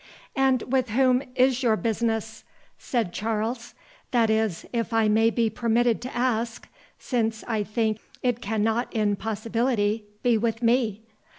"And with whom is your business?" said Charles; "that is, if I may be permitted to ask—since I think it cannot in possibility be with me."